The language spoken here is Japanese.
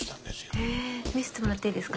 へぇ見せてもらっていいですか？